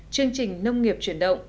chương trình nông nghiệp chuyển động